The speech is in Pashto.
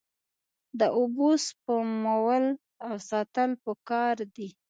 د اوبو سپمول او ساتل پکار دي.